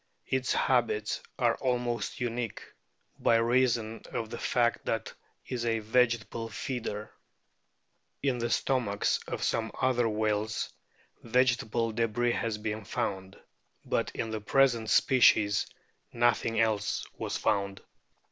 * Its habits are almost unique by reason of the fact that it is a vegetable feeder. In the stomachs of some other whales vegetable debris has been found ; but in the present species nothing else was found.